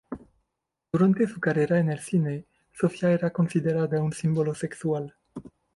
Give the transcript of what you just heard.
Durante su carrera en el cine, Sophia era considerada un símbolo sexual.